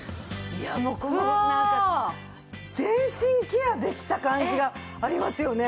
いやもうこのなんか全身ケアできた感じがありますよね。